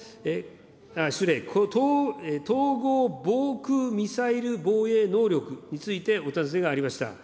失礼、統合防空ミサイル防衛能力についてお尋ねがありました。